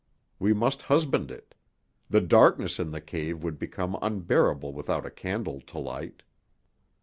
We must husband it; the darkness in the cave would become unbearable without a candle to light.